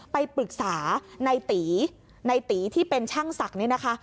ไปปรึกษาในตีในตีที่เป็นช่างศักดิ์เนี่ยนะคะ